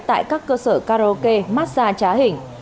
tại các cơ sở karaoke massage trá hình